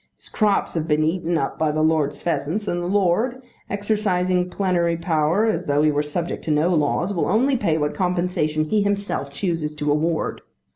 His crops have been eaten up by the lord's pheasants, and the lord, exercising plenary power as though he were subject to no laws, will only pay what compensation he himself chooses to award.